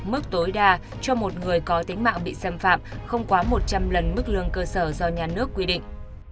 mức tối đa cho một người có tính mạng bị xâm phạm không quá một trăm linh lần mức lương cơ sở do nhà nước quy định